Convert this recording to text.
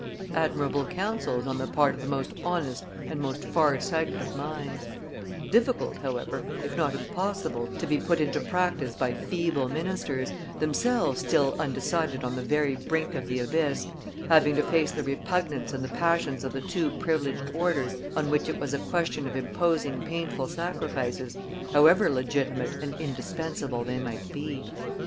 Admirable counsels on the part of the most honest and most far sighted of minds; difficult, however, if not impossible, to be put into practice by feeble ministers, themselves still undecided on the very brink of the abyss, having to face the repugnance and the passions of the two privileged orders on which it was a question of imposing painful sacrifices, however legitimate and indispensable they might be.